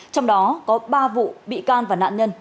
trong đó có ba vụ bị can và nạn nhân